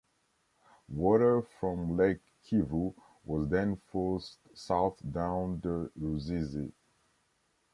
Water from Lake Kivu was then forced south down the Ruzizi.